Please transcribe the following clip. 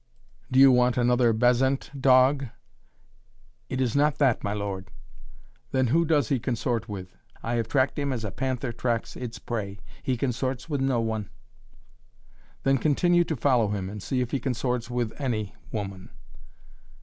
"Do you want another bezant, dog?" "It is not that, my lord." "Then, who does he consort with?" "I have tracked him as a panther tracks its prey he consorts with no one." "Then continue to follow him and see if he consorts with any woman."